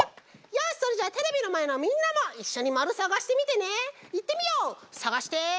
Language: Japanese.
よしそれじゃあテレビのまえのみんなもいっしょにまるさがしてみてね！